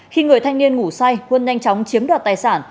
khi người thanh niên ngủ say quân nhanh chóng chiếm đoạt tài sản